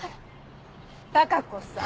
貴子さん！